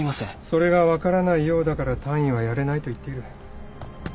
それが分からないようだから単位はやれないと言っている。